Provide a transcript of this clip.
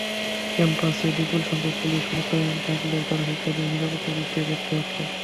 ক্যাম্পাসে বিপুলসংখ্যক পুলিশ মোতায়েন থাকলেও তারা শিক্ষার্থীদের নিরাপত্তা দিতে ব্যর্থ হচ্ছে।